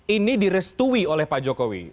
ini direstui oleh pak jokowi